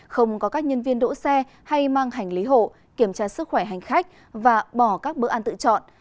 không có các nhân viên đỗ xe hay mang hành lý hộ kiểm tra sức khỏe hành khách và bỏ các bữa ăn tự chọn